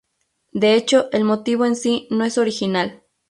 De hecho el motivo en sí no es original.